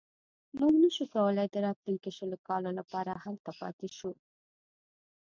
موږ نه شو کولای د راتلونکو شلو کالو لپاره هلته پاتې شو.